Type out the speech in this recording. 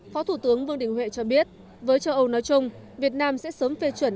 phó thủ tướng vương đình huệ cho biết với châu âu nói chung việt nam sẽ sớm phê chuẩn